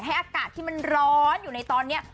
อากาศที่มันร้อนอยู่ในตอนนี้